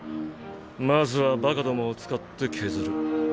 まずはバカどもを使って削る。